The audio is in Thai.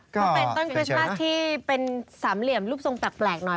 เขาเป็นต้นคริสต์มัสที่เป็นสามเหลี่ยมรูปทรงแปลกหน่อย